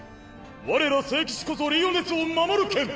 我ら聖騎士こそリオネスを守る剣！